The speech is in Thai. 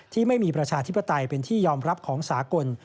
ที่ไม่มีประชาธิปไตยเป็นที่ยอมรับของสากล